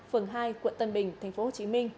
phường hai quận tân bình tp hcm